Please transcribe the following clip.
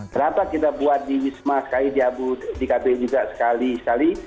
kenapa kita buat di wisma sekali di kb juga sekali sekali